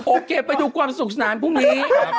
โอเคไปดูความสุขสนานพรุ่งนี้